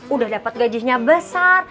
udah dapet gajinya besar